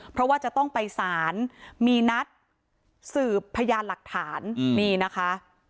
เพราะว่าจะต้องไปสารมีนัดสืบพยานหลักฐานนี่นะคะ